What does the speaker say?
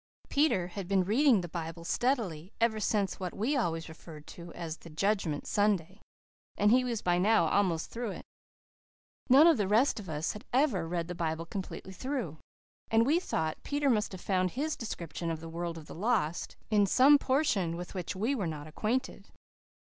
Peter had been reading the Bible steadily ever since what we always referred to as "the Judgment Sunday," and he was by now almost through it. None of the rest of us had ever read the Bible completely through, and we thought Peter must have found his description of the world of the lost in some portion with which we were not acquainted.